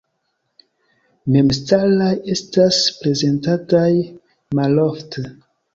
Memstaraj estas prezentataj malofte.